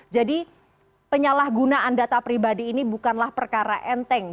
jadi penyalahgunaan data pribadi ini bukanlah perkara enteng